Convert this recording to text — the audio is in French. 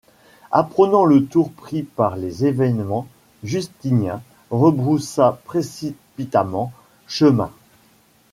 Apprenant le tour pris par les événements, Justinien rebroussa précipitamment chemin.